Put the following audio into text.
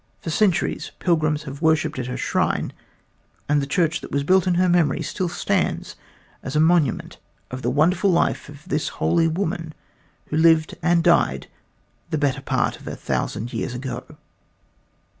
For centuries pilgrims have worshipped at her shrine, and the church that was built in her memory still stands as a monument of the wonderful life of this holy woman who lived and died the better part of a thousand years ago.